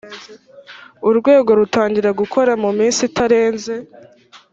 urwego rutangira gukora mu minsi itarenze